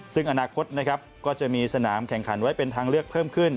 ซึ่งอนาคตนะครับก็จะมีสนามแข่งขันไว้เป็นทางเลือกเพิ่มขึ้น